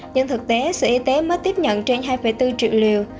nhưng thực tế sở y tế mới tiếp nhận trên hai bốn triệu liều